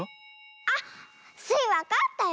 あっスイわかったよ！